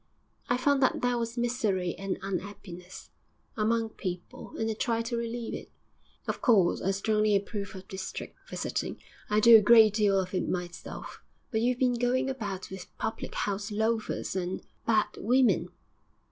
'I found that there was misery and un'appiness among people, and I tried to relieve it.' 'Of course, I strongly approve of district visiting; I do a great deal of it myself; but you've been going about with public house loafers and bad women.'